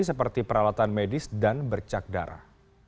seperti peralatan medis dan bercak darah